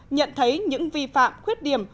nhận thấy những vi phạm khuyết điểm